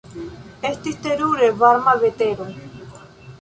Estis terure varma vetero.